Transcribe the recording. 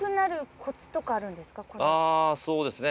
あそうですね。